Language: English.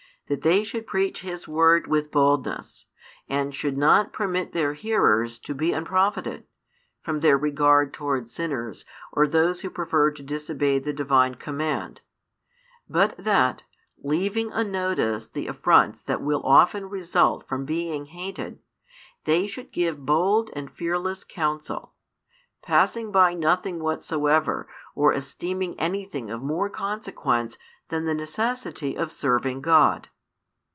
That they should preach His word with boldness, and should not permit their hearers to be unprofited, from their regard towards sinners or those who prefer to disobey the Divine command; but that, leaving unnoticed the affronts that will often result from being hated, they should give bold and fearless counsel, passing by nothing whatsoever or esteeming anything of more consequence than the necessity of serving God.